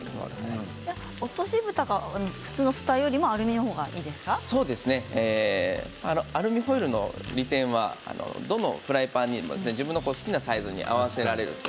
落としぶたや普通のふたよりもアルミホイルの利点はどのフライパンにも自分の好きなサイズに合わせられる。